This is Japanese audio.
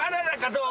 どう？